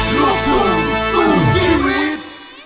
โลกภูมิสู้ชีวิต